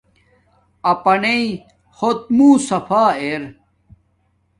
اپناݵ ہوت منہ صفا ارا